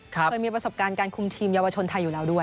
เคยมีประสบการณ์การคุมทีมเยาวชนไทยอยู่แล้วด้วย